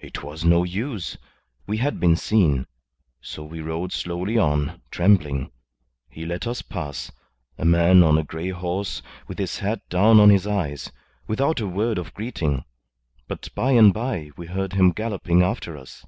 It was no use. We had been seen. So we rode slowly on, trembling. He let us pass a man on a grey horse with his hat down on his eyes without a word of greeting; but by and by we heard him galloping after us.